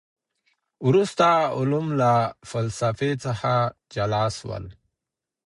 وروسته علوم له فلسفې څخه جلا سول.